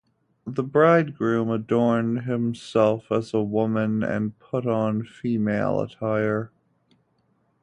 The bridegroom adorned himself as a woman and put on female attire.